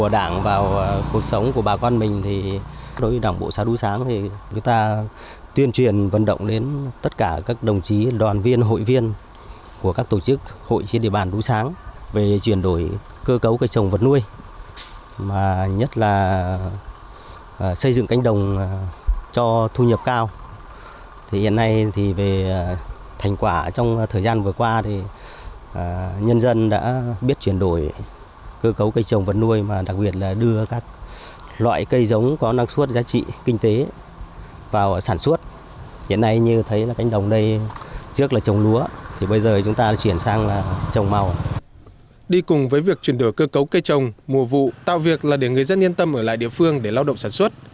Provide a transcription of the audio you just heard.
đi cùng với việc chuyển đổi cơ cấu cây trồng mùa vụ tạo việc là để người dân yên tâm ở lại địa phương để lao động sản xuất